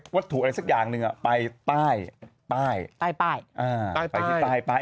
วัตถุอะไรสักอย่างหนึ่งอ่ะไปใต้ใต้ใต้ใต้ใต้ใต้ใต้ใต้